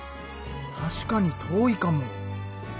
確かに遠いかも。